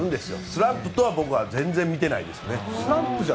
スランプとは僕は全然見ていないです。